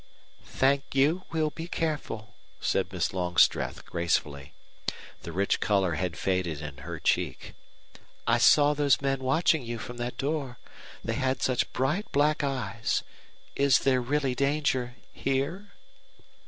"Thank you; we'll be careful," said Miss Longstreth, gracefully. The rich color had faded in her cheek. "I saw those men watching you from that door. They had such bright black eyes. Is there really danger here?"